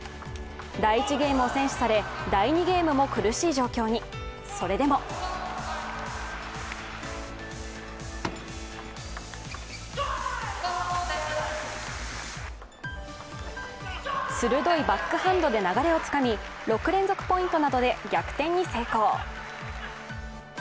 第１ゲームを先取され第２ゲームも苦しい状況、それでも鋭いバックハンドで流れをつかみ６連続ポイントなどで逆転に成功。